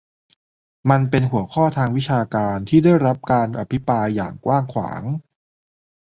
มันเป็นหัวข้อทางวิชาการที่ได้รับการอภิปรายอย่างกว้างขวาง